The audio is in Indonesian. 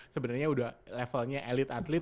sebenarnya udah levelnya elit atlet